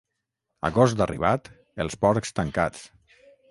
Agost arribat, els porcs tancats.